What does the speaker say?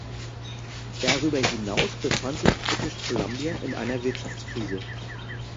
Darüber hinaus befand sich British Columbia in einer Wirtschaftskrise.